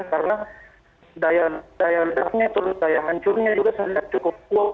karena daya ledaknya terus daya hancurnya juga sudah cukup kuat